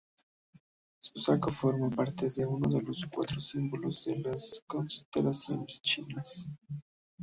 Suzaku forma parte de uno de los cuatro símbolos de las constelaciones chinas.